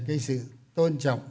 cái sự tôn trọng